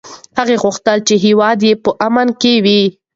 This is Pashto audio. هغه غوښتل چې هېواد یې په امن کې وي.